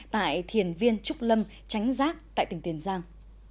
tại thiền viên trúc lâm tránh giác tại tỉnh tiền giang